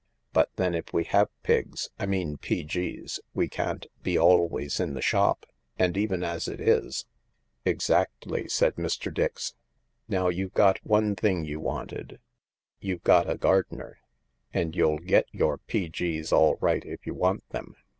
But then if we have Pigs^ I mean P.G.'s— we can't be always in the shop, and even as it is ..."" Exactly," said Mr. Dix. " Now, you've got one thing you wanted : you've got a gardener. And you'll get your P.G.'s all right if you want them.